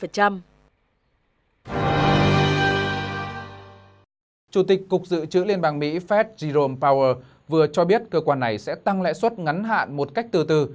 chủ tịch cục dự trữ liên bang mỹ fed jirome power vừa cho biết cơ quan này sẽ tăng lãi suất ngắn hạn một cách từ từ